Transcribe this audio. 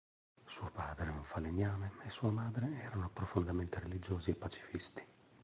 Suo padre, un falegname, e sua madre erano profondamente religiosi e pacifisti.